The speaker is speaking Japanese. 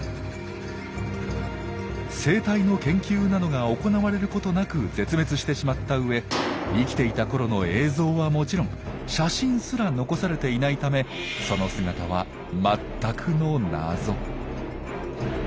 生態の研究などが行われることなく絶滅してしまったうえ生きていたころの映像はもちろん写真すら残されていないためその姿は全くの謎。